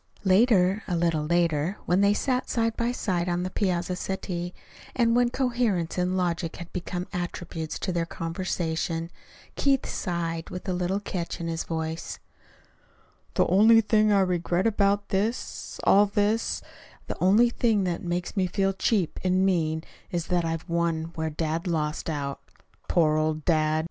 Later, a little later, when they sat side by side on the piazza settee, and when coherence and logic had become attributes to their conversation, Keith sighed, with a little catch in his voice: "The only thing I regret about this all this the only thing that makes me feel cheap and mean, is that I've won where dad lost out. Poor old dad!"